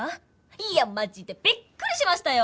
いやマジでびっくりしましたよ。